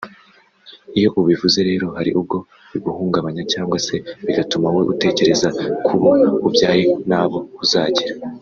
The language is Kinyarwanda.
Iyo ubivuze rero hari ubwo biguhungabanya cyangwa se bigatuma wowe utekereza ku bo ubyaye n’abo uzagira